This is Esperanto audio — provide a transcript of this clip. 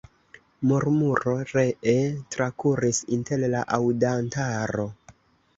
Murmuro ree trakuris inter la aŭdantaro.